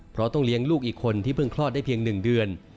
เพราะต้องเลี้ยงลูกอีกคนที่เพิ่งคลอดได้เพียง๑เดือน